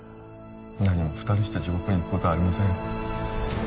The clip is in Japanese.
何も二人して地獄に行くことありませんよ